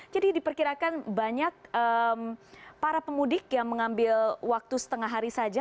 jadi diperkirakan banyak para pemudik yang mengambil waktu setengah hari saja